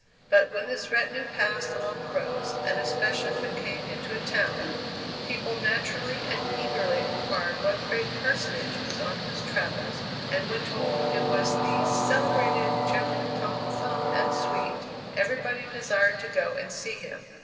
But when this retinue passed along the roads, and especially when it came into a town, people naturally and eagerly inquired what great personage was on his travels, and when told that it was "the celebrated General Tom Thumb and suite," everybody desired to go and see him.